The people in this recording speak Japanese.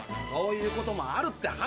そういうこともあるって。